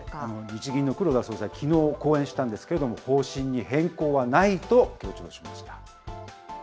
日銀の黒田総裁、きのう、講演したんですけれども、方針に変更はないと強調しました。